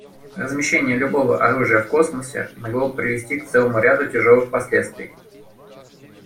Размещение любого оружия в космосе могло бы привести к целому ряду тяжелых последствий.